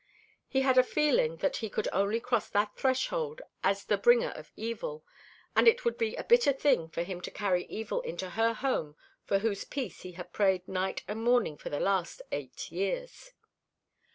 He had a feeling that he could only cross that threshold as the bringer of evil: and it would be a bitter thing for him to carry evil into her home for whose peace he had prayed night and morning for the last eight years.